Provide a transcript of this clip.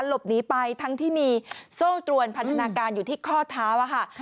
หลบหนีไปทั้งที่มีโซ่ตรวนพันธนาการอยู่ที่ข้อเท้าค่ะ